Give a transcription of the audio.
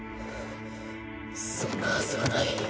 そんなはずはない。